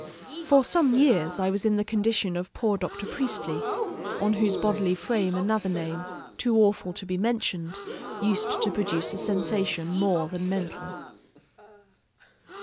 For some years I was in the condition of poor Dr. Priestley, on whose bodily frame another name, too awful to be mentioned, used to produce a sensation more than mental.